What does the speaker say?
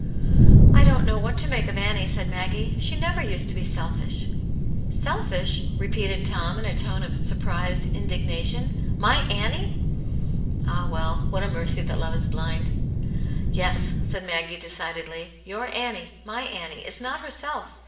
"I don't know what to make of Annie," sa; id Maggie. " She never used to be selfish," " Selfish !" repeated Tom, in a tone of surprised indignation. " My Annie .?"* Ah, well, what a mercy that love is blind ! "Yes," said Maggie, decidedly. "Your Annie, my Annie, is not herself.